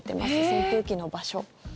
扇風機の場所。